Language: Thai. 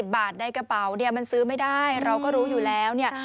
บาทในกระเป๋าเนี่ยมันซื้อไม่ได้เราก็รู้อยู่แล้วเนี่ย